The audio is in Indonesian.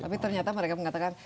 tapi ternyata mereka mengatakan